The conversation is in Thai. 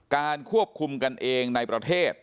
การควบคุมกันเองในประเทศ